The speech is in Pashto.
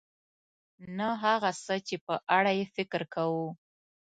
نه هغه څه چې په اړه یې فکر کوو .